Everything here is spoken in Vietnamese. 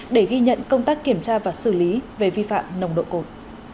để ghi nhận công tác kiểm tra và xử lý về vi phạm nồng độ cồn